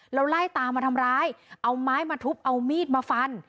แล้วไล่ตามมาทำร้ายเอาไม้มาทุบเอามีดมาฟัน